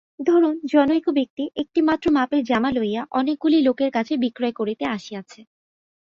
ধরুন জনৈক ব্যক্তি একটি মাত্র মাপের জামা লইয়া অনেকগুলি লোকের কাছে বিক্রয় করিতে আসিয়াছে।